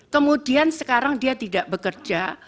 kemudian sekarang dia tidak bekerja